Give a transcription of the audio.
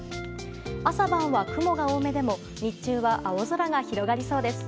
朝晩は雲が多めでも日中は青空が広がりそうです。